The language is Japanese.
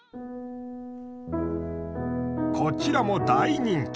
こちらも大人気。